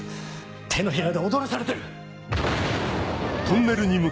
手のひらで踊らされてる！